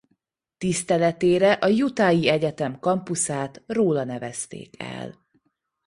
Tiszteletére a utahi egyetem kampuszát róla nevezték el.